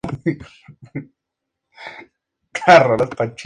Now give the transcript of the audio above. En la banda tocaba el violonchelo.